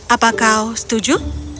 apa kau setuju